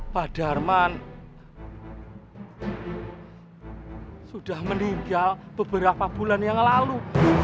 pak darman sudah meninggal beberapa bulan yang lalu